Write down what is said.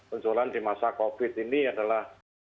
penjualan di masa covid ini adalah